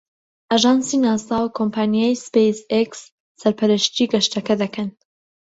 ئاژانسی ناسا و کۆمپانیای سپەیس ئێکس سەرپەرشتی گەشتەکە دەکەن.